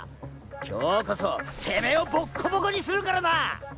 今日こそテメーをボッコボコにするからな！